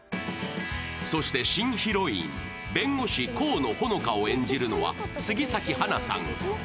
そして新ヒロイン、弁護士、河野穂乃果を演じるのは杉咲花さん。